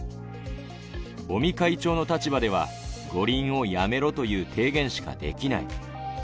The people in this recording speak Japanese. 尾身会長の立場では五輪をやめろという提言しかできない。